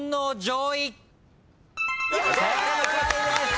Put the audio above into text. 正解です！